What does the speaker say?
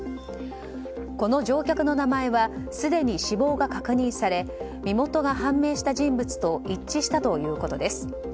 この乗客の名前はすでに死亡が確認され身元が判明した人物と一致したということです。